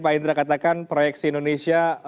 pak indra katakan proyeksi indonesia